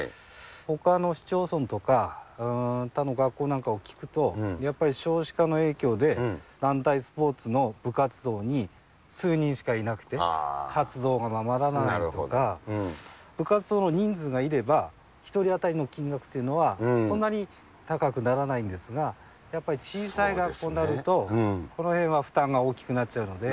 ほかの市町村とか、他の学校なんかを聞くと、やっぱり少子化の影響で、団体スポーツの部活動に数人しかいなくて、活動がままならないとか、部活動の人数がいれば、１人当たりの金額というのは、そんなに高くならないんですが、やっぱり小さい学校になると、そのへんは負担が大きくなっちゃうので。